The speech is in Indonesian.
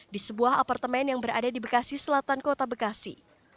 di sebuah apartemen yang berada di bekasi selatan kota bekasi